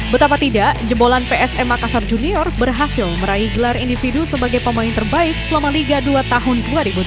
betapa tidak jebolan psm makassar junior berhasil meraih gelar individu sebagai pemain terbaik selama liga dua tahun dua ribu dua puluh